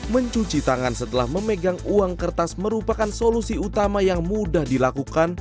mencuci tangan setelah memegang uang kertas merupakan solusi utama yang mudah dilakukan